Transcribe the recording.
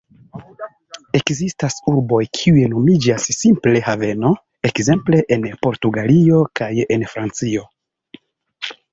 Ekzistas urboj, kiuj nomiĝas simple "haveno", ekzemple en Portugalio kaj en Francio.